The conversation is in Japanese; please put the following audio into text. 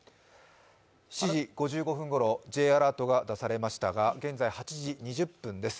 ７時５５分頃、Ｊアラートが出されましたが、現在８時２０分です。